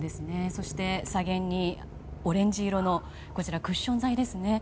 そして左舷にオレンジ色のクッション材があります。